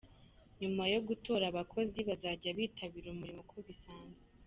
Nyuma yo gutora abakozi bazajya bitabira umurimo uko bisanzwe.